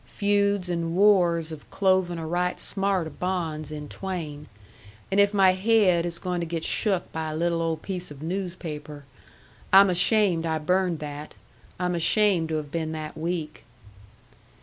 Feuds and wars have cloven a right smart of bonds in twain. And if my haid is going to get shook by a little old piece of newspaper I'm ashamed I burned that. I'm ashamed to have been that weak."